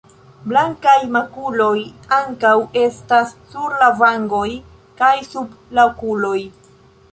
Blankaj makuloj ankaŭ estas sur la vangoj kaj sub la okuloj.